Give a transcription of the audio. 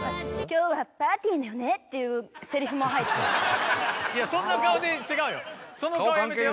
「今日はパーティーなのよね」っていうセリフも入ってるそんな顔で違うよその顔やめてよ